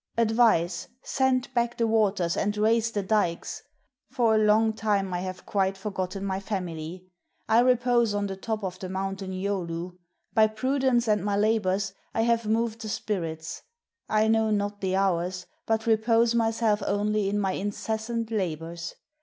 Advise, send back the waters and raise the dikes. For a long time I have quite CHINA forgotten my family; I repose on the top of the Moun tain Yohlu. By prudence and my labors, I have moved the spirits; I know not the hours, but repose myself only in my incessant labors.